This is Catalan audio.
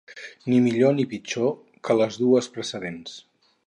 Ni millor ni pitjor que les dues precedents.